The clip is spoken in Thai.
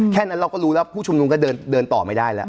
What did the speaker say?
แค่นั้นเราก็รู้แล้วผู้ชุมนุมก็เดินต่อไม่ได้แล้ว